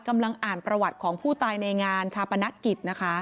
กำลังอ่านประวัติของผู้ตายในงานชาปนกิจนะคะ